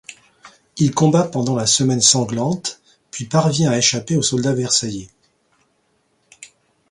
Il combat pendant la Semaine sanglante, puis parvient à échapper aux soldats versaillais.